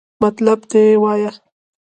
مطلب دې وایا!